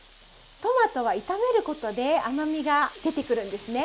トマトは炒めることで甘みが出てくるんですね。